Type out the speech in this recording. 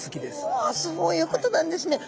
うわそういうことなんですね。